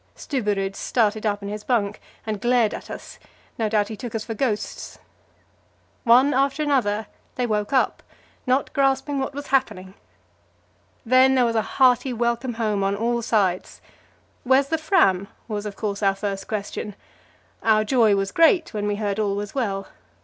Stubberud started up in his bunk and glared at us; no doubt he took us for ghosts. One after another they woke up not grasping what was happening. Then there was a hearty welcome home on all sides "Where's the Fram?" was of course our first question Our joy was great when we heard all was well.